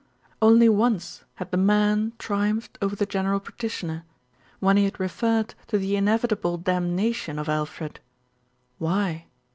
Only once had the man triumphed over the general practitioner, when he had referred to the inevitable damnation of Alfred. Why?